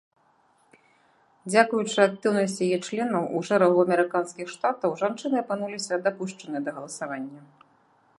Дзякуючы актыўнасці яе членаў у шэрагу амерыканскіх штатаў жанчыны апынуліся дапушчаныя да галасавання.